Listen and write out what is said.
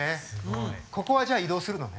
ここはじゃあ移動するのね。